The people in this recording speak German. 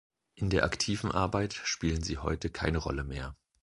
In der aktiven Arbeit spielen sie heute keine Rolle mehr.